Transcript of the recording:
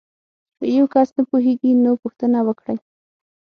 که یو کس نه پوهیږي نو پوښتنه وکړئ.